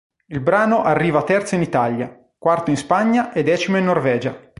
Il brano arriva terzo in Italia, quarto in Spagna e decimo in Norvegia.